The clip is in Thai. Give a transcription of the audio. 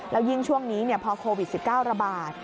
แล้วยิ่งช่วงนี้พอโควิด๑๙ระบาด